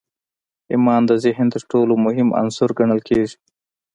ايمان د ذهن تر ټولو مهم عنصر ګڼل کېږي.